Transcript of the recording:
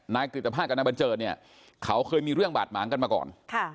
นายกฤตภาพกับนายบัญเจิดเนี่ยเขาเคยมีเรื่องบาดหมางกันมาก่อน